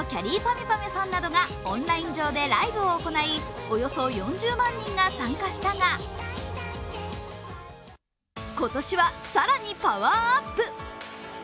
ゅぱみゅさんなどがオンライン上でライブを行いおよそ４０万人が参加したが、今年は更にパワーアップ！